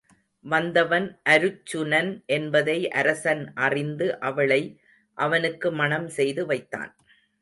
வந்தவன் அருச்சுனன் என்பதை அரசன் அறிந்து அவளை அவனுக்கு மணம் செய்து தந்தான்.